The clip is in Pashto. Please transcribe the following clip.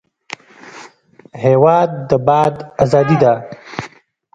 هېواد د باد ازادي ده.